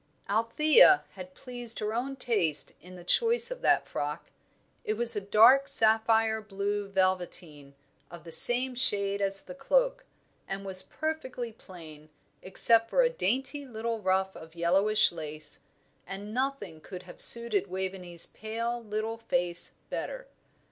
Althea had pleased her own taste in the choice of that frock. It was a dark sapphire blue velveteen of the same shade as the cloak, and was perfectly plain, except for a dainty little ruff of yellowish lace; and nothing could have suited Waveney's pale, little face better.